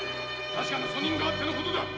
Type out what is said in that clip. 確かな訴人があっての事だ。